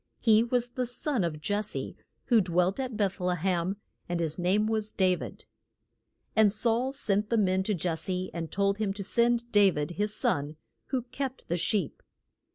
He was the son of Jes se, who dwelt at Beth le hem, and his name was Da vid. And Saul sent men to Jes se and told him to send Da vid, his son, who kept the sheep.